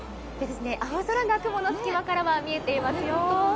青空が雲の隙間からは見えていますよ。